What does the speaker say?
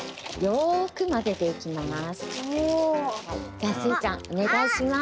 じゃスイちゃんおねがいします。